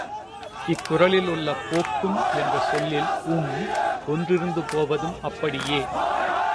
இக்குறளில் உள்ள போக்கும் என்ற சொல்லில் உம் ஒன்றிருந்து போவதும் அப்படியே!